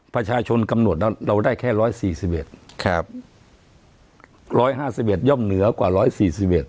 ประชาชนกำหนดแล้วเราได้แค่ร้อยสี่สิบเอ็ดครับร้อยห้าสิบเอ็ดย่อมเหนือกว่าร้อยสี่สิบเอ็ด